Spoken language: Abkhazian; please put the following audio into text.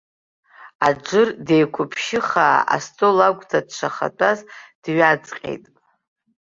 Аџыр деиқәыԥшьыхаа астол агәҭа дшахатәаз дҩаҵҟьеит.